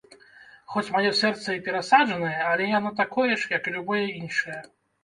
Хоць маё сэрца і перасаджанае, але яно такое ж, як і любое іншае.